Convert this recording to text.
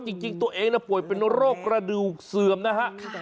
จริงตัวเองป่วยเป็นโรคกระดูกเสื่อมนะฮะ